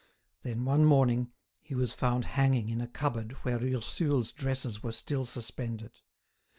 Then, one morning, he was found hanging in a cupboard where Ursule's dresses were still suspended.